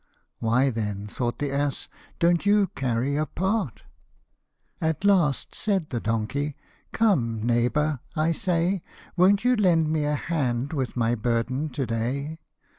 "Why then," thought the ass, "don't you carry a part?" At last, said the donkey, " Come, neighbour, I say, Won't you lend me a hand with my burden to day